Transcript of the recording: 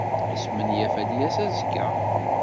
Yesmenyaf ad d-yas azekka.